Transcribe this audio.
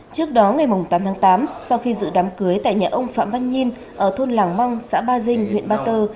trước đó ngày tám tháng tám sau khi dự đám cưới tại nhà ông phạm văn nhiên ở thôn làng mong xã ba dinh huyện ba tơ